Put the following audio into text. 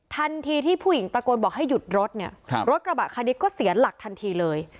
ทันทีที่ผู้หญิงตะโกนบอกให้หยุดรถเนี่ยรถกระบะคันนี้ก็เสียหลักทันทีเลย